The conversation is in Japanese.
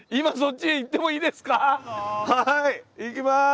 はい行きます。